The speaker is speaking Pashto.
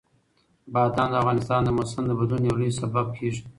بادام د افغانستان د موسم د بدلون یو لوی سبب کېږي.